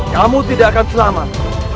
kamu tidak akan selamat